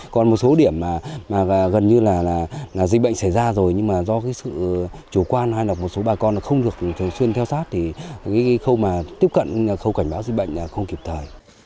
còn một số điểm mà gần như là dịch bệnh xảy ra rồi nhưng mà do cái sự chủ quan hay là một số bà con không được thường xuyên theo sát thì cái khâu mà tiếp cận khâu cảnh báo dịch bệnh là không kịp thời